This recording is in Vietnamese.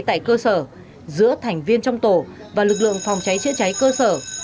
tại cơ sở giữa thành viên trong tổ và lực lượng phòng cháy chữa cháy cơ sở